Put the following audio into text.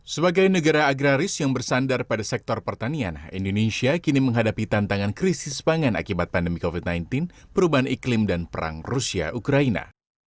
sebagai negara agraris yang bersandar pada sektor pertanian indonesia kini menghadapi tantangan krisis pangan akibat pandemi covid sembilan belas perubahan iklim dan perang rusia ukraina